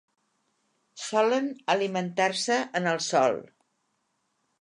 Solen alimentar-se en el sòl.